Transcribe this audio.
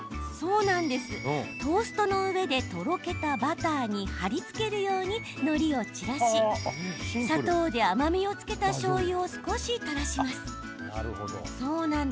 トーストの上でとろけたバターに貼り付けるように、のりをちらし砂糖で甘みをつけたしょうゆを少し垂らします。